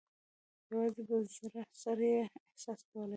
یوازې په زړه سره یې احساس کولای شو.